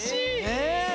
ねえ！